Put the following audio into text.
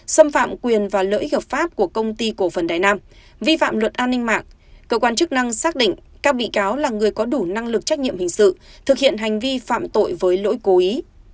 xâm phạm quyền và lợi ích hợp pháp của công ty cổ phần đài nam vi phạm luật an ninh mạng cơ quan chức năng xác định các bị cáo là người có đủ năng lực trách nhiệm hình sự thực hiện hành vi phạm tội với lỗi cố ý